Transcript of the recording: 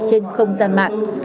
trên không gian mạng